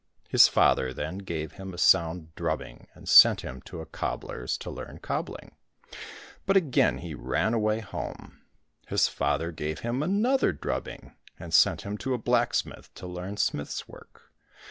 His father then gave him a sound drubbing and sent him to a cobbler's to learn cobbling, but again he ran away home. His father gave him another drubbing and sent him to a blacksmith to learn smith's work.